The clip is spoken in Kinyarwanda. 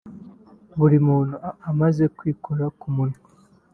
Buri muntu amaze kwikora ku munwa